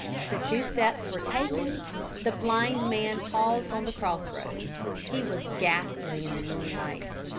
The two steps were taken, the blind man paused on the cross roads. He was ghastly in the moonlight.